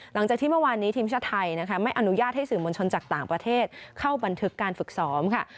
หลังจากที่เมื่อวานนี้ทีมชาติไทยนะคะไม่อนุญาตให้สื่อมวลชนจากต่างประเทศเข้าบันทึกการฝึกซ้อมค่ะ